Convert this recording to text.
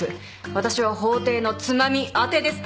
私は法廷のつまみあてですか？